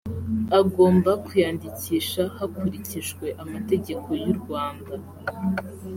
agomba kuyandikisha hakurikijwe amategeko y urwanda